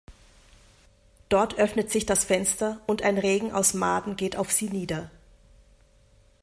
Dort öffnet sich das Fenster und ein Regen aus Maden geht auf sie nieder.